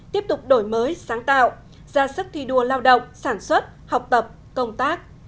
tiếp tục đổi mới sáng tạo ra sức thi đua lao động sản xuất học tập công tác